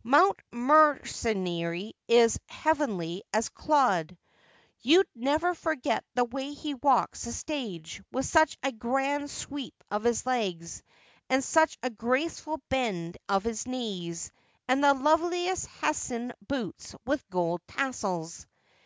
' Mountmerency is heavenly as Claude. You'd never forget the way he walks the stage, with such a grand sweep of his legs, and such a graceful bend of his knees, and the loveliest Hessian boots with gold tassels.'